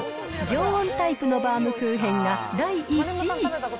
常温タイプのバウムクーヘンが第１位。